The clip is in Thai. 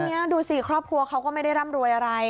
นี่ดูสิครอบครัวเขาก็ไม่ได้ร่ำรวยอะไร